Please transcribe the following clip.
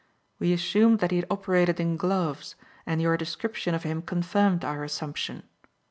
We assumed that he had operated in gloves and your description of him confirmed our assumption.